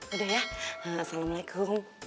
udah ya assalamualaikum